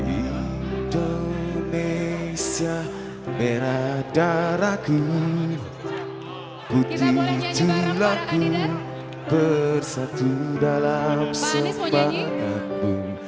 indonesia merah daraku putih tulaku bersatu dalam sepakatmu